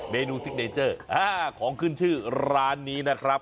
เนูซิกเนเจอร์ของขึ้นชื่อร้านนี้นะครับ